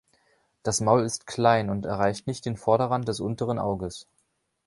Das Maul ist klein, und erreicht nicht den Vorderrand des unteren Auges.